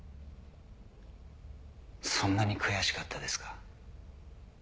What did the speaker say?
そんなに悔しかったですか？